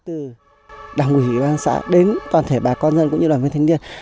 từ đảng ủy chính quyền xã đến toàn thể bà con dân cũng như đoàn viên thanh niên